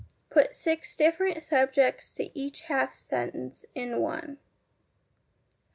Put six different subjects to each half sentence in r. 4.